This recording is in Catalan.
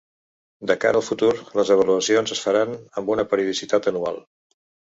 De cara al futur les avaluacions es faran amb una periodicitat anual.